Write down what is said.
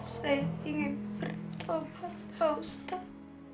saya ingin bertobat pak ustadz